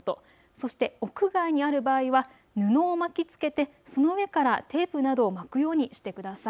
そして屋外にある場合は布を巻き付けてその上からテープなどを巻くようにしてください。